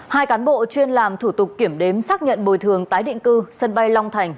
hai cán bộ chuyên làm thủ tục kiểm đếm xác nhận bồi thường tái định cư sân bay long thành